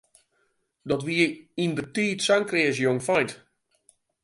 Dat wie yndertiid sa'n kreas jongfeint.